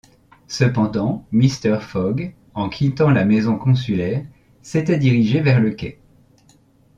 Cependant Mr. Fogg, en quittant la maison consulaire, s’était dirigé vers le quai.